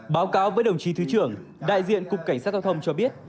báo cáo với đồng chí thứ trưởng đại diện cục cảnh sát giao thông cho biết